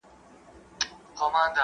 موږ ساعت ګورو.